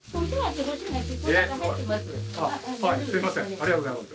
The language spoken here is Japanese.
ありがとうございます。